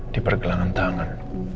di pergelangan tangan